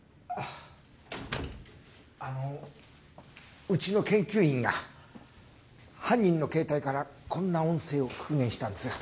あのうちの研究員が犯人の携帯からこんな音声を復元したんですが。